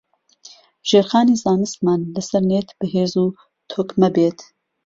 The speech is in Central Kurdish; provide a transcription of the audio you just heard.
ژێرخانی زانستیمان لەسەر نێت بەهێز و تۆکمە بێت